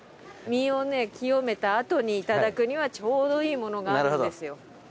身を清めたあとにいただくにはちょうどいいものがあるんですよ。